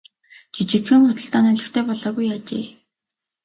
Жижиглэн худалдаа нь олигтой болоогүй ажээ.